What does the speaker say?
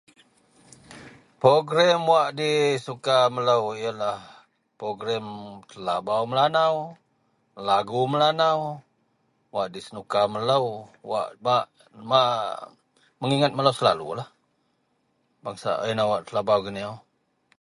Perogrem wak disuka melou yenlah perogrem telabau Melanau, lagu Melanau wak disenuka melou, wak bak, bak, menginget melou selalulah pasel inou wak telabau geniyau